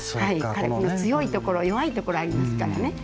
火力の強いところ弱いところありますからね。